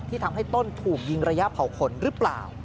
ทำให้ต้นถูกยิงระยะเผาขนหรือเปล่า